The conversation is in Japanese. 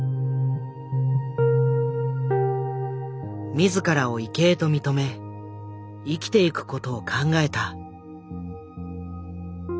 自らを異形と認め生きていく事を考えた。